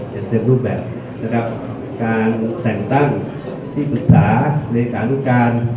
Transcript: เต็มรูปแบบนะครับการแต่งตั้งที่ปรึกษาเลขานุการ